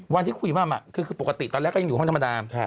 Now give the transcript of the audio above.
วันที่คุยมั่มคือปกติตอนแรกก็ยังอยู่ห้องธรรมดา